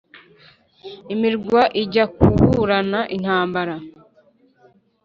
imirwa ijya kuburana intambara,